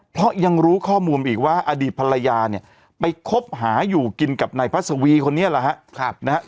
เพราะยังรู้ข้อมูลอีกว่าอดีตภรรยาเนี่ยไปคบหาอยู่กินกับนายพระสวีคนนี้แหละฮะ